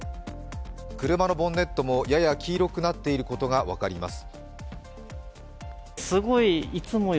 車のボンネットもやや黄色くなっていることが分かります。